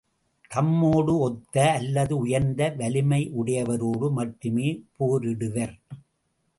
தம்மோடு ஒத்த, அல்லது உயர்ந்த வலிமையுடையவரோடு மட்டுமே போரிடுவர்.